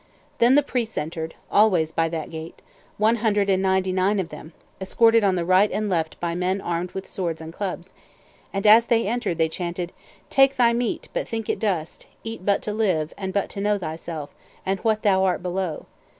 Then the priests entered, always by that gate, one hundred and ninety nine of them, escorted on the right and left by men armed with swords and clubs, and as they entered they chanted: "Take thy meat, but think it dust! Eat but to live, and but to know thyself, and what thou art below!